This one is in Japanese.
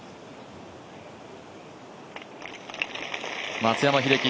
松山英樹